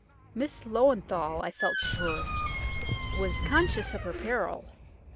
Miss Löwenthal, I felt sure, was conscious of her peril.